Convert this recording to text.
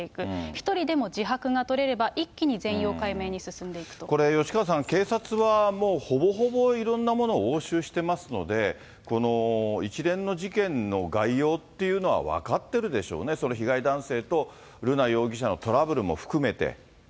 １人でも自白が取れれば一気に全これ、吉川さん、警察はほぼほぼいろんなものを押収してますので、この一連の事件の概要っていうのは分かってるでしょうね、その被害男性と瑠奈容疑者のトラブルも含めて。